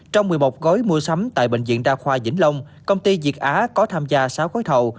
trong một mươi một gói mua sắm tại bệnh viện đa khoa vĩnh long công ty việt á có tham gia sáu gói thầu